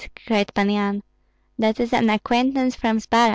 cried Pan Yan; "that is an acquaintance from Zbaraj."